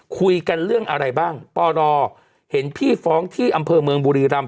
คุยกันเรื่องอะไรบ้างปรเห็นพี่ฟ้องที่อำเภอเมืองบุรีรำ